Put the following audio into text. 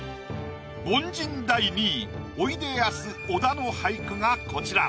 凡人第２位おいでやす小田の俳句がこちら。